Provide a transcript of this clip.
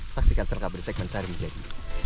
saksikan sel kabar di segmen sehari ini